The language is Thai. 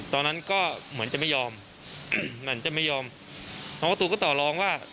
ตอนนั้นก็เหมือนจะไม่ยอมำฉะนั้นคุณก็ต่อรองว่า